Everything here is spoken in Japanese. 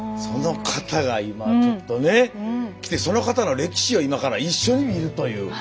その方が今ちょっとね来てその方の歴史を今から一緒に見るという。